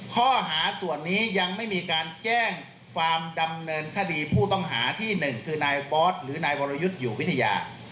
ข้อหาส่วนนี้ยังไม่มีการแจ้งความดำเนินคดีผู้ต้องหาที่๑คือนายฟอสหรือนายวรยุทธ์อยู่วิทยา